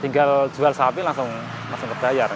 tinggal jual sapi langsung kebayar